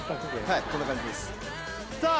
はいこんな感じですさあ